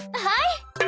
はい！